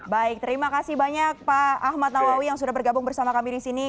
baik terima kasih banyak pak ahmad nawawi yang sudah bergabung bersama kami di sini